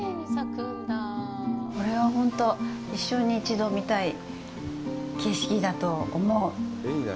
これは本当一生に一度見たい景色だと思う。